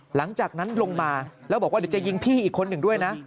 หลังจากนั้นลงมาแล้วบอกว่าเดี๋ยวจะยิงพี่อีกคนหนึ่งด้วยนะ